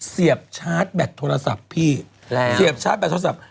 เสียบชาร์จแบตโทรศัพท์พี่เสียบชาร์จแบตโทรศัพท์